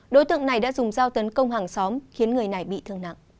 đối tượng này đã dùng dao tấn công hàng xóm khiến người này bị thương nặng